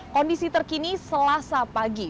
kondisi terkini selasa pagi